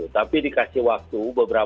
tapi dikasih waktu